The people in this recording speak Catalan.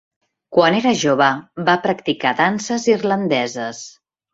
Quan era jove va practicar danses irlandeses.